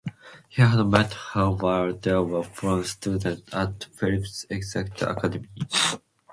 He had met her while they were fellow students at Phillips Exeter Academy.